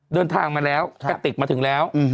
เดินทางมาแล้วกระติกมาถึงแล้ว